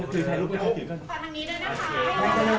ตรงนี้นะคะ